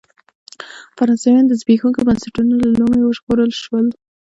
فرانسویان د زبېښونکو بنسټونو له لومې وژغورل شول.